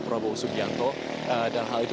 prabowo subianto dan hal itu